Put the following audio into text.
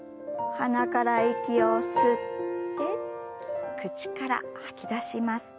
鼻から息を吸って口から吐き出します。